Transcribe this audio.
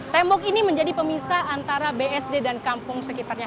tembok ini menjadi pemisah antara bsd dan kampung sekitarnya